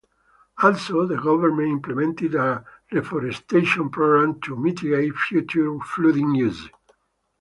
Also, the government implemented a reforestation program to mitigate future flooding issues.